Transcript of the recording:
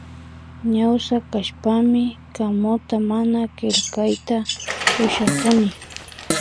Ñawsa kashpami kamuta mana killkakatita ushakuni